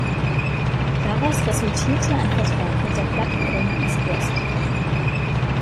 Daraus resultierte ein Vertrag mit der Plattenfirma eastwest.